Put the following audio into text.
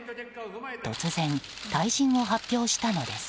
突然、退陣を発表したのです。